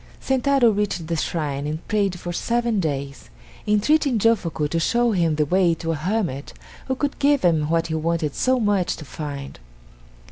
Sentaro reached the shrine and prayed for seven days, entreating Jofuku to show him the way to a hermit who could give him what he wanted so much to find.